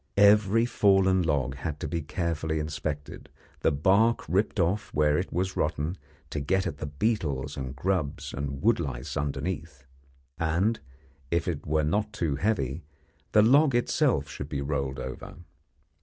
Every fallen log had to be carefully inspected, the bark ripped off where it was rotten to get at the beetles and grubs and wood lice underneath, and, if it were not too heavy, the log itself should be rolled over.